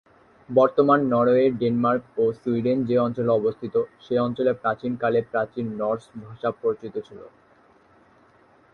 বর্তমান Norway, Denmark ও Sweden যে অঞ্চলে অবস্থিত, সে অঞ্চলে প্রাচীনকালে প্রাচীন নর্স ভাষা প্রচলিত ছিল।